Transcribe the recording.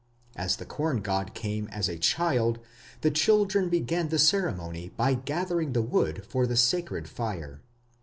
As the corn god came as a child, the children began the ceremony by gathering the wood for the sacred fire.